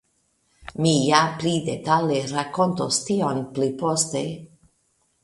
Mi ja pli detale rakontos tion pli poste.